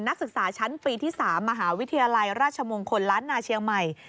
นักศึกษาชั้นปีที่๓มหาวิทยาลัยราชมงคลล้านนาเชียงใหม่